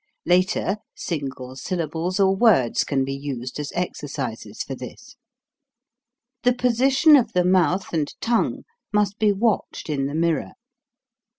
Later, single syllables or words can be used as exercises for this. The position of the mouth and tongue must 236 PRACTICAL EXERCISES 237 be watched in the mirror.